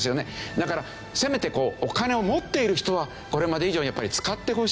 だからせめてお金を持っている人はこれまで以上にやっぱり使ってほしい。